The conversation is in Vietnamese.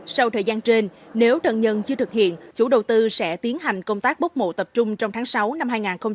sau thời gian trên nếu thân nhân chưa thực hiện chủ đầu tư sẽ tiến hành công tác bốc mộ tập trung trong tháng sáu năm hai nghìn hai mươi